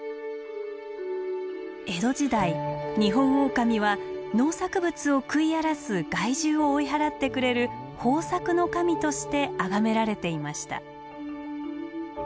江戸時代ニホンオオカミは農作物を食い荒らす害獣を追い払ってくれる豊作の神としてあがめられていました。